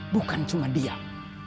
bukan cuma diam